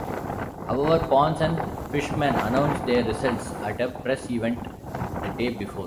However, Pons and Fleischmann announced their results at a press event the day before.